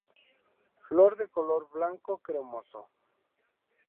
Flor de color blanco cremoso.